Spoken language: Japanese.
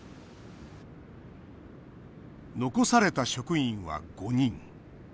残された職員は５人。